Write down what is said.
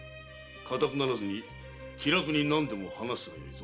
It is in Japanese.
硬くならずに気楽に何でも話すがよいぞ。